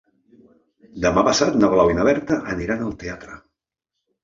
Demà passat na Blau i na Berta aniran al teatre.